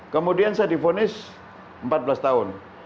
kemudian saya difonis empat belas tahun